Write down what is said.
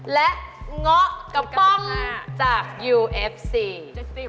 และง๊อกกระป๋องจากยูเอฟซี